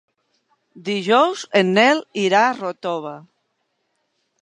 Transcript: Dijous en Nel irà a Ròtova.